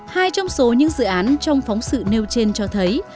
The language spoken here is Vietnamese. hai trong số những dự án trong phóng sự nêu trên cho thấy